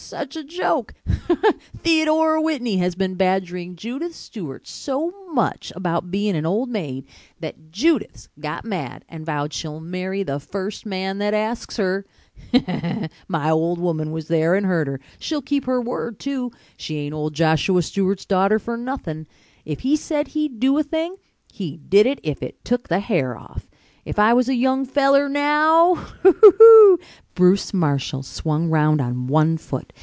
Such a joke! Hee tee tee hee e. Theodora Whitney has been badgering Judith Stewart so much about bein' an old maid that Judith's got mad and vowed she'll marry the first man that asks her. Hee tee tee hee e e e! My old woman was there and heard her. She'll keep her word, too. She ain't old Joshua Stewart's daughter for nothin'. If he said he'd do a thing he did it if it tuck the hair off. If I was a young feller now! Hee tee tee hee e e e!" Bruce Marshall swung round on one foot.